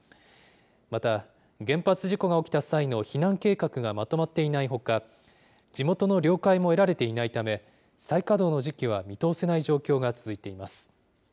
また、原発事故が起きた際の避難計画がまとまっていないほか、地元の了解も得られていないため、再稼働の時期は見通せない状況が続いています。